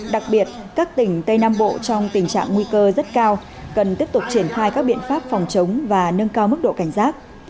đặc biệt các tỉnh tây nam bộ trong tình trạng nguy cơ rất cao cần tiếp tục triển khai các biện pháp phòng chống và nâng cao mức độ cảnh giác